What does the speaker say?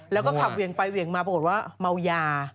แล้วก็ขับเวียงไปเหวี่ยงมาปรากฏว่าเมายา